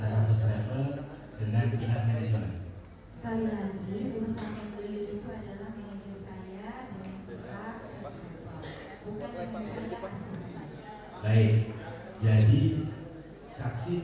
tahu tidak untuk lagi lagi berapa ini